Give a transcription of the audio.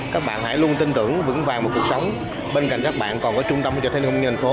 các bạn hãy luôn tin tưởng vững vàng một cuộc sống bên cạnh các bạn còn có trung tâm cho thanh niên công nhân phố